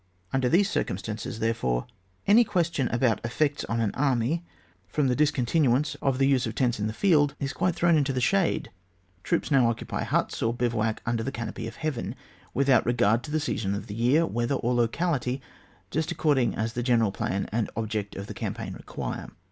Under these circumstances, there fore, any question about effeotson an army from the discontinuance of the use of 30 ON JTAR. [book ▼. tents in the field is quite tlirown into the shade. Troops now occupy hiits, or biyouac under ihe canopy of heaven, without regard to season of the year, weather, or locality, just according as the general plan and object of the cam paign require.